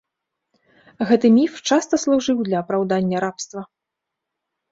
Гэты міф часта служыў для апраўдання рабства.